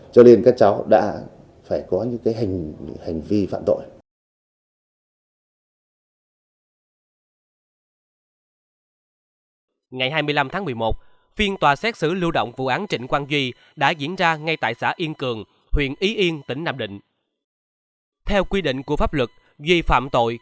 cho nên các cháu đã